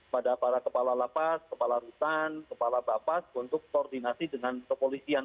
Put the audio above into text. pada para kepala lapas kepala rutan kepala bapas untuk koordinasi dengan kepolisian